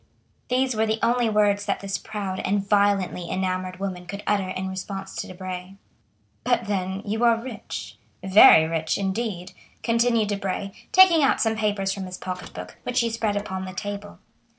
These were the only words that this proud and violently enamoured woman could utter in response to Debray. 50137m "But then you are rich,—very rich, indeed," continued Debray, taking out some papers from his pocket book, which he spread upon the table.